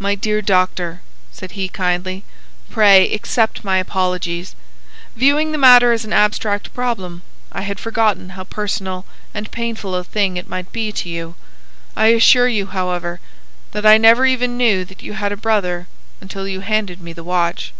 "My dear doctor," said he, kindly, "pray accept my apologies. Viewing the matter as an abstract problem, I had forgotten how personal and painful a thing it might be to you. I assure you, however, that I never even knew that you had a brother until you handed me the watch."